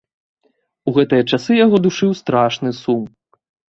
У гэтыя часы яго душыў страшны сум.